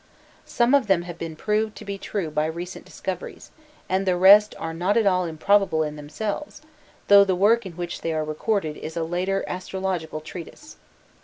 Some of them have been proved to be true by recent discoveries, and the rest are not at all improbable in themselves, though the work in which they are recorded is a later astrological treatise.